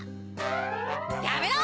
やめろ！